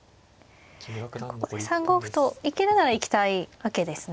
ここで３五歩と行けるなら行きたいわけですね。